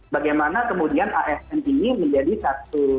bagaimana kemudian asn ini menjadi satu